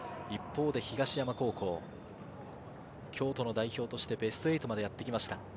一方で東山高校、京都の代表としてベスト８までやってきました。